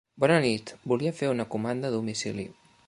Bona nit, volia fer una comanda a domicili.